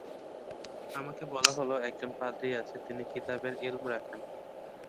আমাকে বলা হল, একজন পাদ্রী আছে, তিনি কিতাবের ইলম রাখেন।